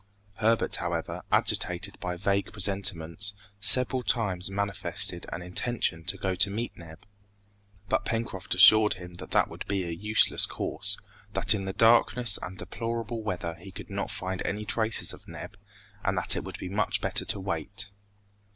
Herbert, however, agitated by vague presentiments, several times manifested an intention to go to meet Neb. But Pencroft assured him that that would be a useless course, that in the darkness and deplorable weather he could not find any traces of Neb, and that it would be much better to wait.